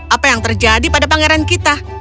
apa yang terjadi pada pangeran kita